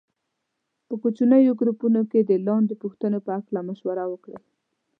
په کوچنیو ګروپونو کې د لاندې پوښتنې په هکله مشوره وکړئ.